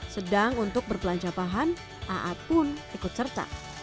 sedang untuk berbelanja bahan aad pun ikut serta